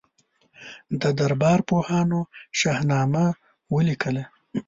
د دربار پوهانو شاهنامه ولیکله.